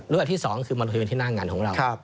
รูปแบบที่๒คือมาลงทะเบียนที่หน้างานของเรา